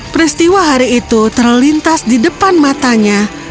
peristiwa hari itu terlintas di depan matanya